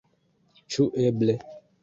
Ĉu eble!